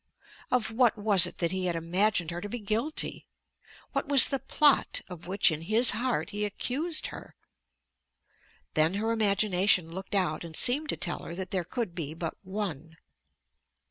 Of what was it that he had imagined her to be guilty? What was the plot of which in his heart he accused her? Then her imagination looked out and seemed to tell her that there could be but one.